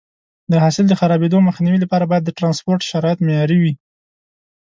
د حاصل د خرابېدو مخنیوي لپاره باید د ټرانسپورټ شرایط معیاري وي.